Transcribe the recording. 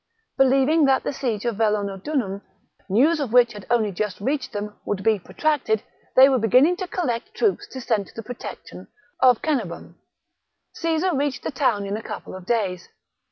Believing that the siege of Vellaunodunum, news of which had only just reached them, would be protracted, they were beginning to collect troops to send to the protec tion of Cenabum. Caesar reached the town in a couple of days.